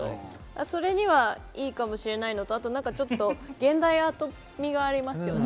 それにはいいかもしれないのと、現代アート味がありますよね。